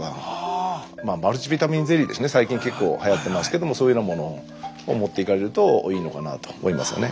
マルチビタミンゼリーですね最近結構はやってますけどもそういうようなものを持っていかれるといいのかなと思いますよね。